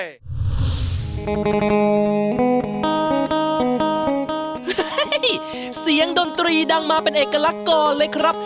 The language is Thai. เสียงดนตรีดังมาเป็นเอกลักษณ์กรเลยครับ